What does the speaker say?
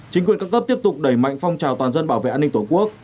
chính quyền các cấp tiếp tục đẩy mạnh phong trào toàn dân bảo vệ an ninh tổ quốc